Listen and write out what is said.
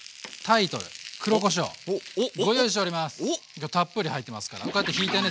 今日たっぷり入ってますからこうやってひいてね